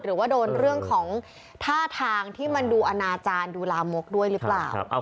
หรือว่าโดนเรื่องของท่าทางที่มันดูอนาจารย์ดูลามกด้วยหรือเปล่า